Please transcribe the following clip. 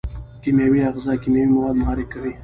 کیمیاوي آخذه کیمیاوي مواد محرک کوي.